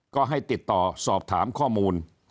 ก็ให้ติดต่อสอบถามข้อมูล